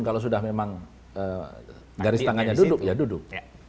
kalau sudah memang garis tangannya duduk ya duduk